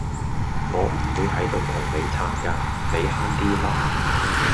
我唔會喺度同你撐㗎，你慳啲啦